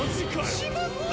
しまった！